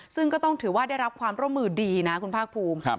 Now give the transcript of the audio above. ซึ่งก็ต้องถือว่าได้รับความร่วมมือดีนะคุณภาคภูมิ